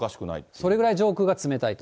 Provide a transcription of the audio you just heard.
それぐらい上空が冷たいと。